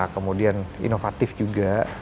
kemudian inovatif juga